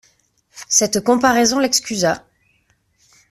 Cette comparaison l'excusa.